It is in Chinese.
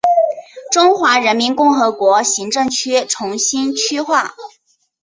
中华人民共和国行政区重新区划。